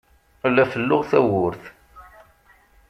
La felluɣ tawwurt.